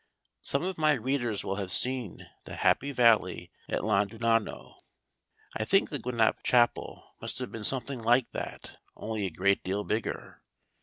Some of my readers will have seen the Happy Valley at Llandudno; I think the Gwennap chapel must have been something like that, only a great deal bigger.